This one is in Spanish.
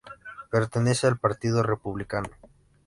Pertenece al Partido Republicano.